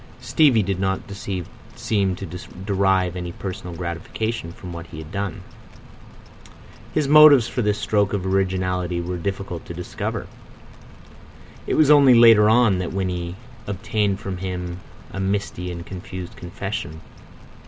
Stevie did not seem to derive any personal gratification from what he had done. His motives for this stroke of originality were difficult to discover. It was only later on that Winnie obtained from him a misty and confused confession.